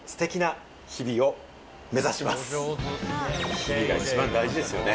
日々が一番大事ですよね。